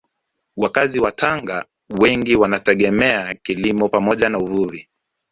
Wakazi wa Tanga wengi wanategemea kilimo pamoja na uvuvi